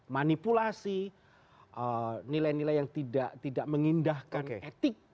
manipulasi nilai nilai yang tidak mengindahkan etik